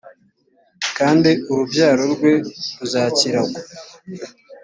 kandi urubyaro rwe ruzakiragwa